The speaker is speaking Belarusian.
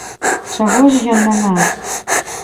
Чаго ж ён на нас?